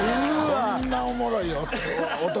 こんなおもろい男